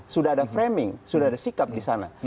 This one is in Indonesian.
sudah ada framing sudah ada sikap di sana